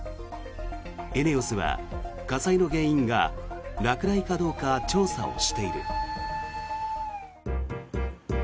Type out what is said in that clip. ＥＮＥＯＳは火災の原因が落雷かどうか調査をしている。